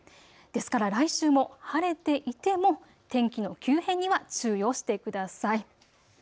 ですから来週も晴れていても天気の急変には注意をしてください。